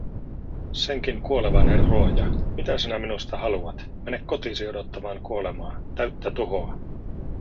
"senkin kuolevainen ruoja, mitä sinä minusta haluat, mene kotiisi odottamaan kuolemaa, täyttä tuhoa!"